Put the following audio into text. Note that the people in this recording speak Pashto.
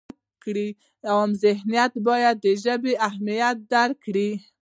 عامه ذهنیت باید د ژبې اهمیت درک کړي.